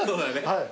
はい。